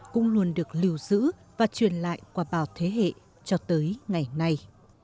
cũng luôn được lưu giữ và truyền lại qua bao thế hệ cho tới ngày nay